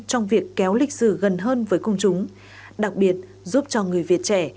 trong việc kéo lịch sử gần hơn với công chúng đặc biệt giúp cho người việt trẻ